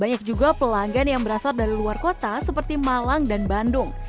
banyak juga pelanggan yang berasal dari luar kota seperti malang dan bandung